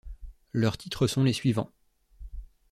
Leurs titres sont les suivants.